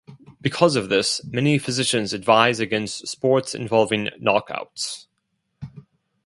Because of this, many physicians advise against sports involving knockouts.